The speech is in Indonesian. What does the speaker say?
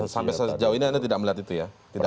sampai sejauh ini anda tidak melihat itu ya